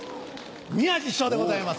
宮治師匠でございます。